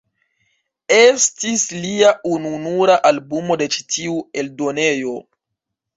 Estis lia ununura albumo de ĉi tiu eldonejo.